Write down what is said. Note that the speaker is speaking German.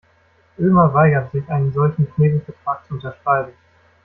Ömer weigert sich, einen solchen Knebelvertrag zu unterschreiben.